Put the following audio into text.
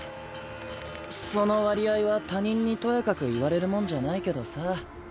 その割合は他人にとやかく言われるもんじゃないけどさ